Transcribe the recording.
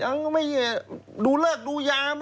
ยังไม่ดูเลิกดูยาม